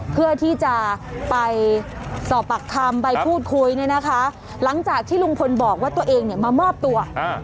เพื่อที่จะไปสอบปากคำไปพูดคุยเนี่ยนะคะหลังจากที่ลุงพลบอกว่าตัวเองเนี่ยมามอบตัว